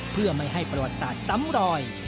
เพื่อไม่ให้ประวัติศาสตร์ซ้ำรอย